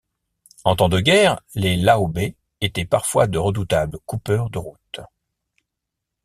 En temps de guerre, les Laobés étaient parfois de redoutables coupeurs de routes.